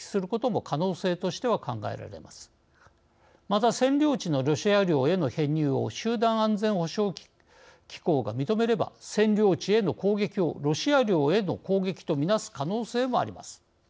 また占領地のロシア領への編入を集団安全保障機構が認めれば占領地への攻撃をロシア領への攻撃とみなす可能性もあります。